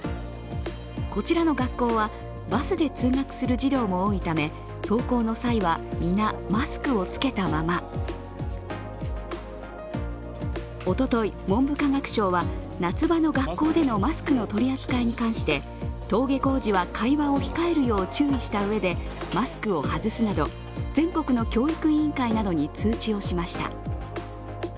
こちらの学校はバスで通学する児童も多いため登校の際は皆、マスクを着けたままおととい文部科学省は夏場の学校でのマスクの取り扱いに関して登下校時は会話を控えるよう注意したうえでマスクを外すなど、全国の教育委員会などに通知をしました。